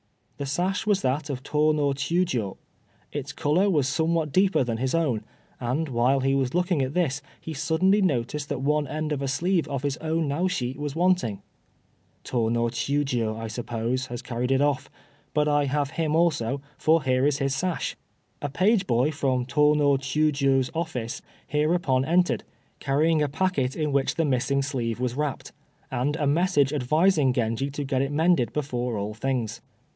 The sash was that of Tô no Chiûjiô. Its color was somewhat deeper than his own, and while he was looking at this, he suddenly noticed that one end of a sleeve of his own Naoshi was wanting. "Tô no Chiûjiô, I suppose, has carried it off, but I have him also, for here is his sash!" A page boy from Tô no Chiûjiô's office hereupon entered, carrying a packet in which the missing sleeve was wrapped, and a message advising Genji to get it mended before all things.